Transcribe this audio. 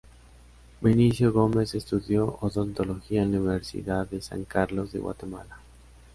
Vinicio Gómez estudió Odontología en la Universidad de San Carlos de Guatemala.